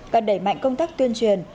cần đẩy mạnh công tác tuyên truyền